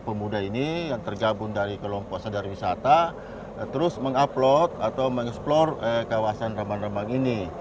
pemuda ini yang tergabung dari kelompok sadar wisata terus mengupload atau mengeksplor kawasan rambang rambang ini